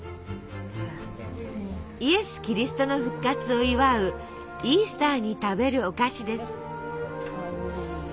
イエス・キリストの復活を祝うイースターに食べるお菓子です。